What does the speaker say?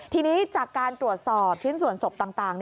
ทีนี้จากการตรวจสอบชิ้นส่วนศพต่าง